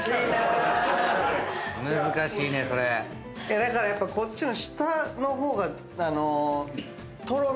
だからやっぱこっちの下の方がとろみ。